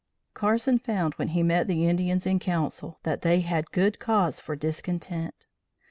Carson found when he met the Indians in council that they had good cause for discontent.